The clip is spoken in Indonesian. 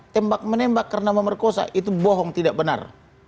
tembak menembak karena memerkosa itu bohong tidak benar